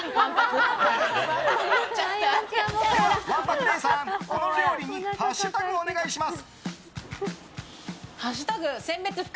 わんぱく礼さん、この料理にハッシュタグをお願いします。